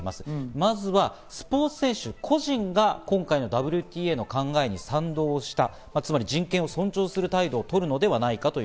まずはスポーツ選手個人が今回のＷＴＡの考えに賛同したさらに人権を尊重する態度をとるのではないかと。